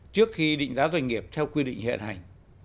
trước khi định giá doanh nghiệp theo quy định hiện hành